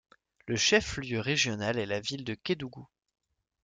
Le chef-lieu régional est la ville de Kédougou.